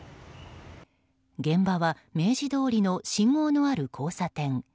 現場は明治通りの信号のある交差点。